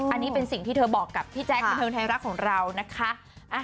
อันนี้เป็นสิ่งที่เธอบอกกับพี่แจ๊คบันเทิงไทยรัฐของเรานะคะ